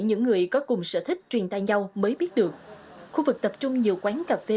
những người có cùng sở thích truyền tay nhau mới biết được khu vực tập trung nhiều quán cà phê